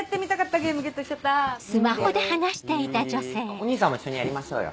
お義兄さんも一緒にやりましょうよ。